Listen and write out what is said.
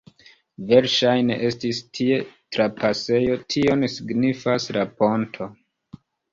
Verŝajne estis tie trapasejo, tion signifas la ponto.